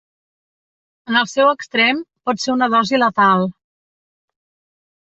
En el seu extrem, pot ser una dosi letal.